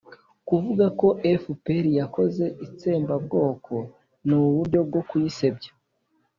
«kuvuga ko fpr yakoze itsembabwoko ni uburyo bwo kuyisebya